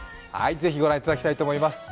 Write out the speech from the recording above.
ぜひご覧いただきたいと思います。